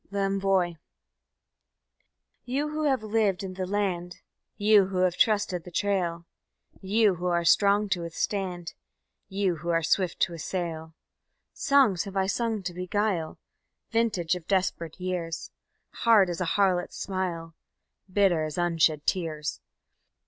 L'Envoi You who have lived in the land, You who have trusted the trail, You who are strong to withstand, You who are swift to assail: _Songs have I sung to beguile, Vintage of desperate years, Hard as a harlot's smile, Bitter as unshed tears.